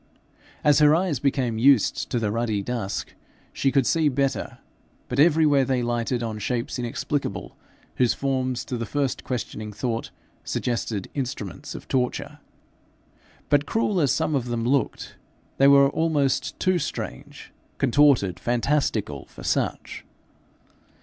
As her eyes became used to the ruddy dusk, she could see better, but everywhere they lighted on shapes inexplicable, whose forms to the first questioning thought suggested instruments of torture; but cruel as some of them looked, they were almost too strange, contorted, fantastical for such.